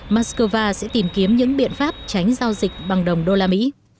moscow sẽ tìm kiếm những biện pháp tránh giao dịch bằng đồng usd